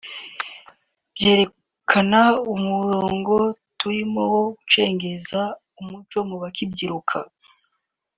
byerekana umurongo turimo wo gucengeza umuco mu bakibyiruka